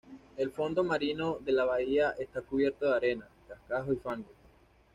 El fondo marino de la bahía está cubierto de arena, cascajo y fango.